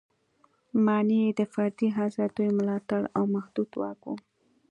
معنا یې د فردي ازادیو ملاتړ او محدود واک و.